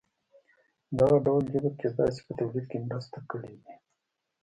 دغه ډول جبر کېدای شي په تولید کې مرسته کړې وي.